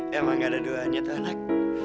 emang gak ada dua hanya tuh anak